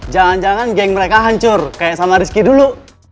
jangan jangan geng mereka hancur kayak sama rizky dulu